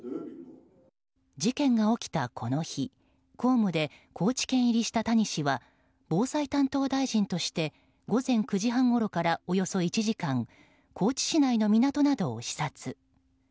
事件が起きたこの日公務で高知県入りした谷氏は防災担当大臣として午前９時半ごろからおよそ１時間高知市内の港などを視察。